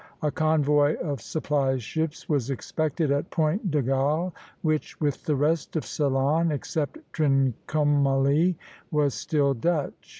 A convoy of supply ships was expected at Point de Galles, which, with the rest of Ceylon, except Trincomalee, was still Dutch.